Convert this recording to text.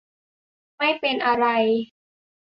ไม่เป็นอะไร